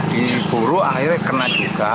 diburu akhirnya kena juga